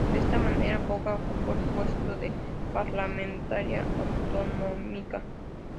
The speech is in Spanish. De esta manera, Boya ocupó el puesto de parlamentaria autonómica.